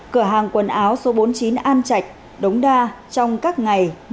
cửa hàng quần áo số bốn mươi chín an trạch đống đa trong các ngày năm sáu bảy tháng một mươi hai